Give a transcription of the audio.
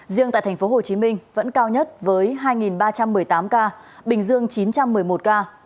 riêng tại tp hcm vẫn cao nhất với hai ba trăm một mươi tám ca bình dương chín trăm một mươi một ca